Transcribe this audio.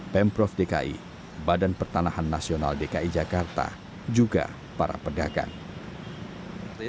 pemprov dki badan pertanahan nasional dki jakarta juga para pedagang